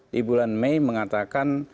di bulan mei mengatakan